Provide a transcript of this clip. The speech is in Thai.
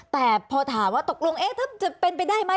แต่พอถามว่าตกลงท่านจะเป็นไปได้ไหม